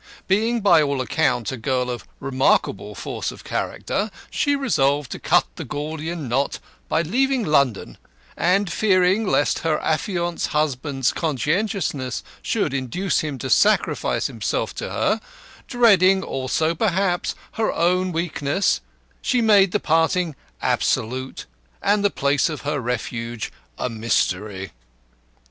Being, by all accounts, a girl of remarkable force of character, she resolved to cut the Gordian knot by leaving London, and, fearing lest her affianced husband's conscientiousness should induce him to sacrifice himself to her; dreading also, perhaps, her own weakness, she made the parting absolute, and the place of her refuge a mystery.